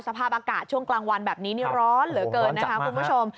สภาพอากาศช่วงกลางวันแบบนี้นี่ร้อนเหลือเกินนะคะคุณผู้ชม